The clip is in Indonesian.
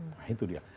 nah itu dia